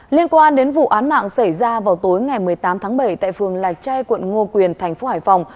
liên quan đến vụ án mạng xảy ra vào tối ngày một mươi tám tháng bảy tại phường lạch chay quận ngô quyền thành phố hải phòng